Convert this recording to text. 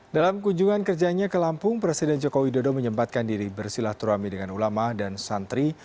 dalam kunjungan kerjanya ke lampung presiden jokowi dodo menyempatkan diri bersilah turami dengan ulama dan santri